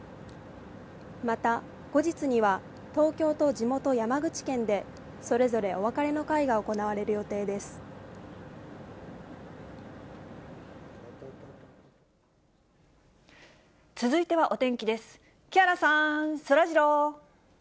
また後日には、東京と地元、山口県でそれぞれお別れの会が行われる予定です。